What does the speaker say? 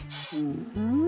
うん。